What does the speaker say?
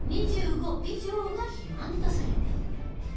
２５以上が肥満とされている。